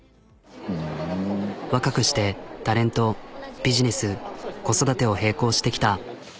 若くしてタレントビジネス子育てを並行してきた。